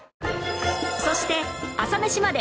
そして『朝メシまで。』